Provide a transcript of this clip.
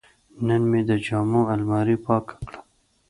نن مې د جامو الماري پاکه کړه.